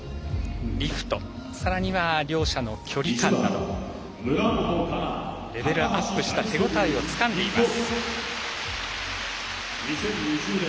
リフト、さらには両者の距離感などレベルアップした手応えをつかんでいます。